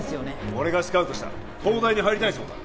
俺がスカウトした東大に入りたいそうだ